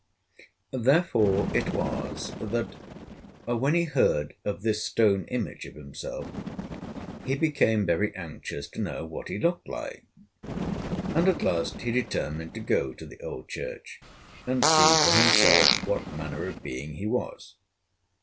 Therefore it was, that, when he heard of this stone image of himself, he became very anxious to know what he looked like, and at last he determined to go to the old church, and see for himself what manner of being he was.